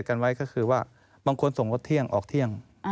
ทรงกะตอนอะไรบ้างบอกเลยพี่